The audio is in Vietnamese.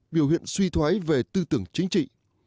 biểu hiện suy thoái về tư tưởng chính trị